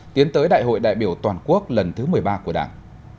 tiến tới đại hội đại biểu toàn quốc lần thứ một mươi ba của đảng